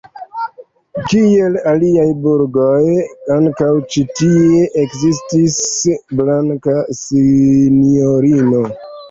Kiel aliaj burgoj, ankaŭ ĉi tie ekzistis blanka sinjorino.